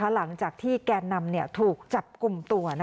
หลังจากที่แกนนำถูกจับกลุ่มตัว